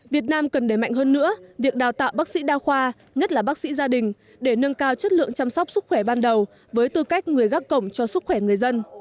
việt nam cần đề mạnh hơn nữa việc đào tạo bác sĩ đa khoa nhất là bác sĩ gia đình để nâng cao chất lượng chăm sóc sức khỏe ban đầu với tư cách người gác cổng cho sức khỏe người dân